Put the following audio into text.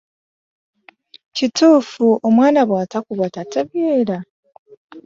Kituufu omwana bw'atakubwa tategeera?